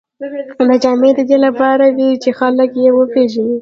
دا جامې د دې لپاره وې چې خلک یې وپېژني.